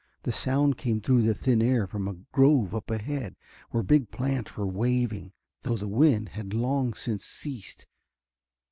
The sound came through the thin air from a grove up ahead, where big plants were waving, though the wind had long since ceased.